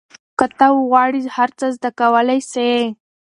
که ته وغواړې هر څه زده کولای سې.